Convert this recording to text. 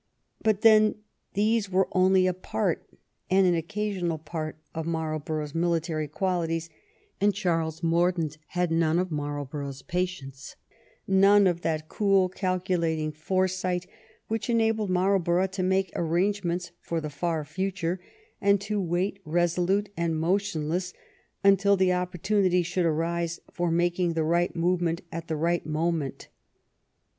But then these were only a part, and an occa sional part, of Marlborough's military qualities, and Charles Mordaunt had none of Marlborough's patience, none of that cool, calculating foresight which enabled Marlborough to make arrangements for the far future, and to wait resolute and motionless until the oppor tunity should arise for making the right movement at the right moment.